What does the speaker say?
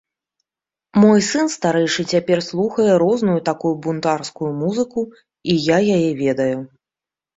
Мой сын старэйшы цяпер слухае розную такую бунтарскую музыку, і я яе ведаю.